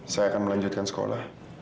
saya akan melanjutkan sekolah